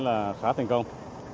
là khá thành công